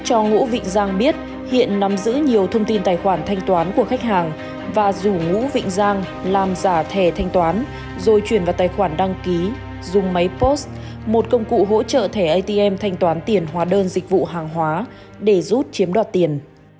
cho ngũ vịnh giang biết hiện nắm giữ nhiều thông tin tài khoản thanh toán của khách hàng và rủ ngũ vịnh giang làm giả thẻ thanh toán rồi chuyển vào tài khoản đăng ký dùng máy post một công cụ hỗ trợ thẻ atm thanh toán tiền hóa đơn dịch vụ hàng hóa để rút chiếm đoạt tiền